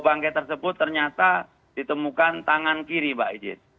bangke tersebut ternyata ditemukan tangan kiri mbak ijit